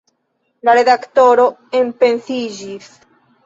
La redaktoro enpensiĝis.